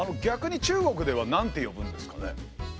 逆に中国では何て呼ぶんですかね？